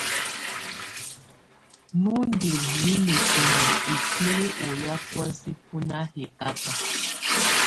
Nù ndù mimǝ sɔnɔ ikuili ɔ ya bɔ̀ósɛ bu nà hɛkaka.